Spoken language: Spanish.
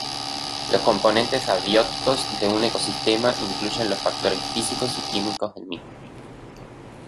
Los componentes abióticos de un ecosistema incluyen los factores físicos y químicos del mismo.